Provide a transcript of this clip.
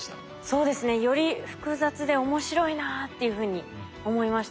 そうですねより複雑で面白いなあっていうふうに思いました。